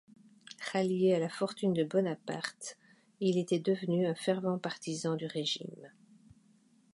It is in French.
Rallié à la fortune de Bonaparte, il était devenu un fervent partisan du régime.